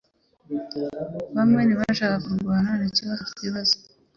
Bamwe ntibashakaga kurwana ikibazo twibaza